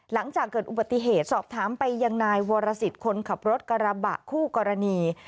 หลังจากเกิดอุบัติเหตุสอบถามไปยังนายวรสิทธิ์คนขับรถกระบะคู่กรณี